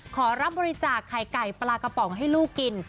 ขอรับบริจาคไข่ไก่ปลากระป๋องให้ลูกกิน